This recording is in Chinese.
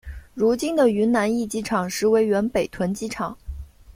如今的云南驿机场实为原北屯机场。